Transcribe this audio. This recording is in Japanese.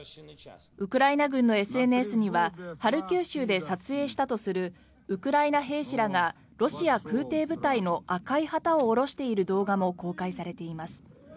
ウクライナ軍のＳＮＳにはハルキウ州で撮影したとするウクライナ兵士らがロシア空挺部隊の赤い旗を降ろしている動画も公開されています。